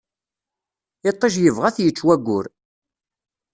Iṭij yebɣa ad t-yečč wayyur.